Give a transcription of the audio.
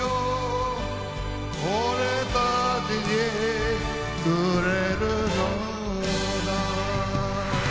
「俺たちにくれるのだ」